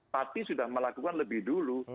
tapi sudah melakukan lebih dulu